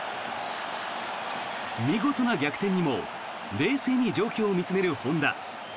見事な逆転にも冷静に状況を見つめる本田。